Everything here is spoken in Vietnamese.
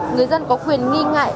người dân có quyền nghi ngại